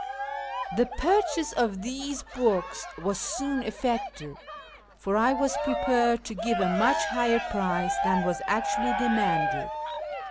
The purchase of these books was soon effected, for I was prepared to give a much higher price than was actually de manded.